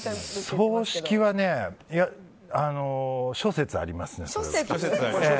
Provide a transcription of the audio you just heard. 葬式はね、諸説あります。